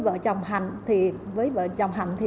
vợ chồng hạnh thì